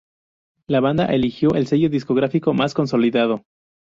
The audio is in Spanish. La banda eligió el sello discográfico más consolidado.